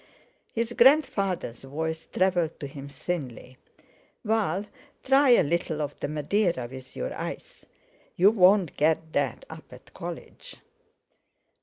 His grandfather's voice travelled to him thinly. "Val, try a little of the Madeira with your ice. You won't get that up at college."